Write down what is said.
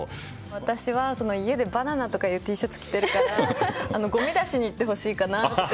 私は家でバナナと書かれてるＴシャツを着てるからごみ出しに行ってほしいかなとか。